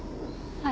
はい。